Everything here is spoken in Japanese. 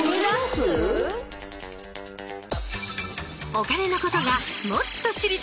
お金のことがもっと知りたいあなた！